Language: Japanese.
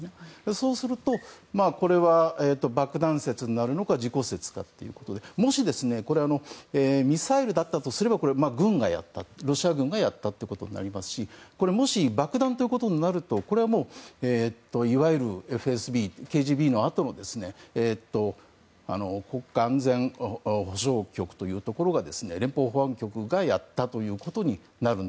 そうすると、爆弾説になるのか事故説かということでもしミサイルだったとすればロシア軍がやったということになりますしもし爆弾ということになるとこれは、いわゆるＫＧＢのあとのＦＳＢ国家安全保障局というところ連邦保安局がやったということになると。